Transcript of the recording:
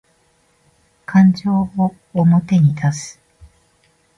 感情を表に出す